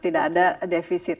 tidak ada defisit